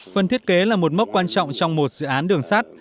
phần thiết kế là một mốc quan trọng trong một dự án đường sắt